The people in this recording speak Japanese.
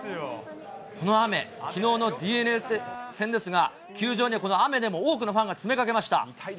この雨、きのうのＤｅＮＡ戦ですが、球場にはこの雨でも多くのファンが詰めかけました。